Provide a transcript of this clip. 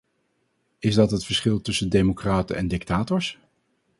Is dat het verschil tussen democraten en dictators?